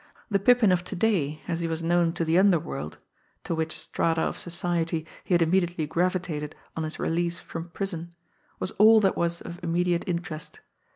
The Pippin of to day as he was known to the underworld, to which strata of society he had immediately gravitated on his release from prison, was all that was of immediate interest.